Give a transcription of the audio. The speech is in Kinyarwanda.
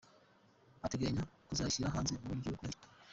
Ateganya kuzayishyira hanze mu buryo bwihariye.